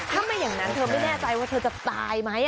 ถ้าไม่อย่างนั้นเธอไม่แน่ใจว่าเธอจะตายไหม